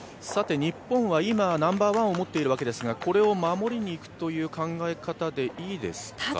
日本は今はナンバーワンを持っているわけですが、これを守りにいくという考え方でいいですか。